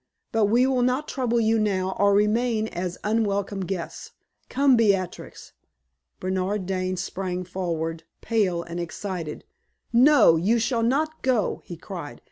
But we will not trouble you now, or remain as unwelcome guests. Come Beatrix." Bernard Dane sprang forward, pale and excited. "No, you shall not go!" he cried.